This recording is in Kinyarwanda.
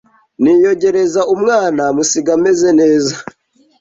niyogereze umwana musige ameze neza